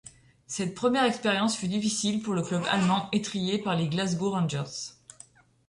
Cette première expérience fut difficile pour le club allemand étrillé par les Glasgow Rangers.